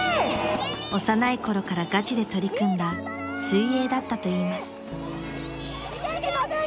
［幼いころからガチで取り組んだ水泳だったといいます］・いけいけ！